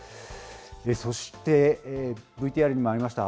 そしてＶＴＲにもありました